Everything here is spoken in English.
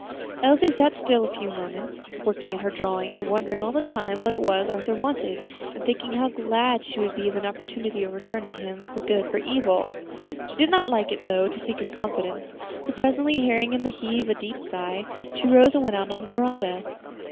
Elsie sat still a few moments, working at her drawing and wondering all the time what it was Arthur wanted, and thinking how glad she would be of an opportunity of returning him good for evil. She did not like, though, to seek his confidence, but presently hearing him heave a deep sigh, she rose and went out on the veranda.